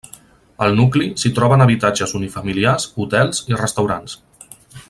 Al nucli s'hi troben habitatges unifamiliars, hotels i restaurants.